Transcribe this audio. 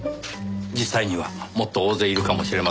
実際にはもっと大勢いるかもしれません。